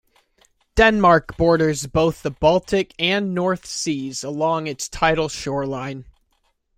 Denmark borders both the Baltic and North Seas along its tidal shoreline.